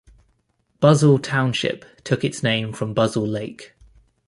Buzzle Township took its name from Buzzle Lake.